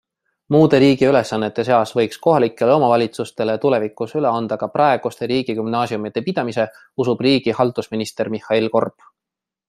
Muude riigi ülesannete seas võiks kohalikele omavalitsustele tulevikus üle anda ka praeguste riigigümnaasiumide pidamise, usub riigihaldusminister Mihhail Korb.